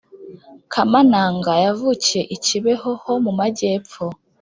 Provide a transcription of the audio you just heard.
kamananga yavukiye i kibeho ho mumajyepfo